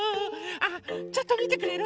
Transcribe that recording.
あちょっとみてくれる？